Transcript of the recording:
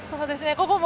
午後も。